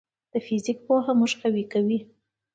د فزیک پوهه موږ قوي کوي.